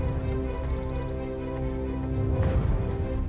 nanti aku akan datang